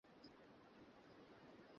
উপরের হলওয়েটা চেনাই যাচ্ছে না।